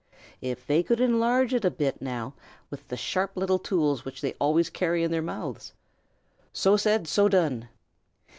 If they could enlarge it a bit, now, with the sharp little tools which they always carry in their mouths! So said, so done!